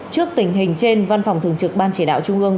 trước tình hình trên văn phòng thường trực ban chỉ đạo trung ương